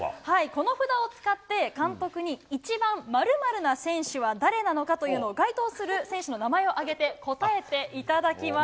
この札を使って、監督に一番〇○な選手は誰なのかというのを、該当する選手の名前を挙げて、答えていただきます。